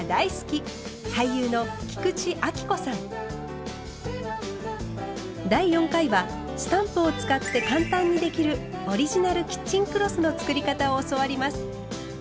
俳優の第４回はスタンプを使って簡単にできるオリジナルキッチンクロスの作り方を教わります。